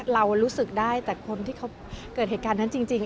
เรารู้สึกได้แต่คนที่เขาเกิดเหตุการณ์นั้นจริง